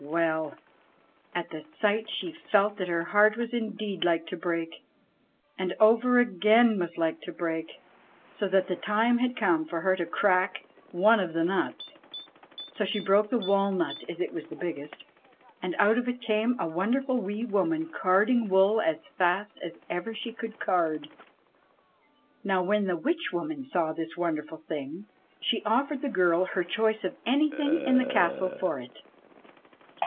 Well ! at the sight she felt that her heart was indeed like to break, and over again was like to break, so that the time had come for her to crack one of the nuts. So she broke the walnut, as it was the biggest, and out of it came a wonder ful, wee woman carding wool as fast as ever she could card. Now when the witch woman saw this wonderful thing she offered the girl her choice of anything in the castle for it.